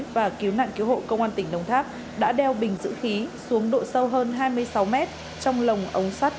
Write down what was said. và cứu nạn cứu hộ công an tỉnh đồng tháp đã đeo bình dữ khí xuống độ sâu hơn hai mươi sáu mét trong lồng ống sắt